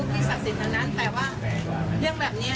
เรี่ยบว่าการสาบานเนี่ย